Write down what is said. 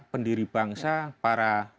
pendiri bangsa para